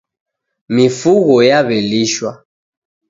Mifugho yaw'elishwa.